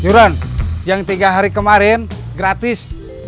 juron yang tiga hari kemarin gratis